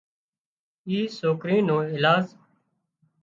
اي سوڪري نو ايلاز